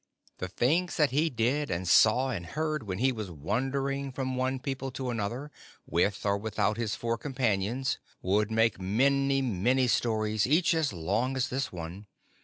The things that he did and saw and heard when he was wandering from one people to another, with or without his four companions, would make many stories, each as long as this one.